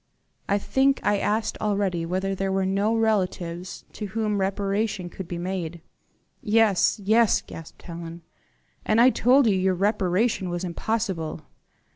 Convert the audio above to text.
I think I asked already whether there were no relatives to whom reparation could be made?" "Yes, yes," gasped Helen; "and I told you reparation was impossible."